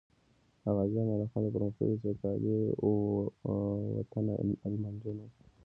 غازی امان الله خان د پرمختللي، سوکالۍ وطن ارمانجن وو